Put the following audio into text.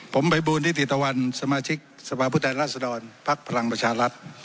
ผมไปบูรณ์ที่ติตวรรณสมาชิกสภาพุทธรรษฎรภักดิ์พลังประชารัฐ